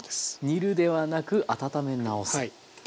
煮るではなく温め直す。